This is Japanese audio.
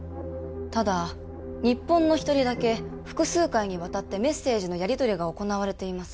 ただ日本の一人だけ複数回に渡ってメッセージのやりとりが行われています